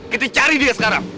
kita cari dia sekarang